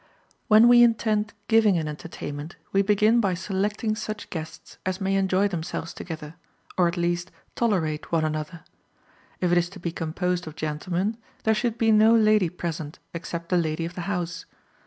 When we intend giving an entertainment, we begin by selecting such guests as may enjoy themselves together, or at least tolerate one another. If it is to be composed of gentlemen, there should be no lady present, except the lady of the house.